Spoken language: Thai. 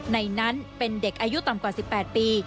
ในนั้นเป็นเด็กอายุต่ำกว่า๑๘ปี